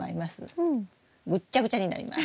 ぐっちゃぐちゃになります。